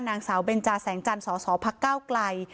นางสาวเบนจาแสงจันทร์สสพักก้าวไกล